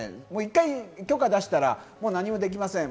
１回許可出したら何もできません。